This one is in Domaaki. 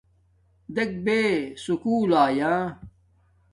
دیکھے بے سکُول آیا